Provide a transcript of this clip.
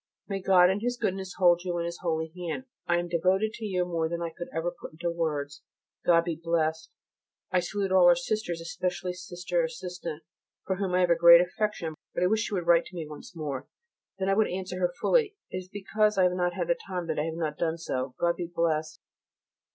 May God in His goodness hold you in His holy hand. I am devoted to you more than I could ever put into words. God be Blessed! I salute all our sisters, especially Sister Assistant, for whom I have a great affection, but I wish she would write to me once more, then I would answer her fully. It is because I have not had time that I have not done so. God be Blessed!